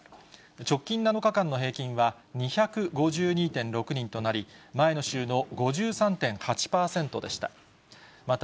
直近７日間の平均は２５２．６人となり、前の週の５３．８％でした。